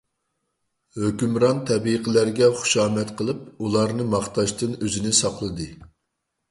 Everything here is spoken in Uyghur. ھۆكۈمران تەبىقىلەرگە خۇشامەت قىلىپ، ئۇلارنى ماختاشتىن ئۆزىنى ساقلىدى.